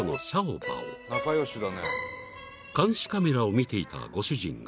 ［監視カメラを見ていたご主人が］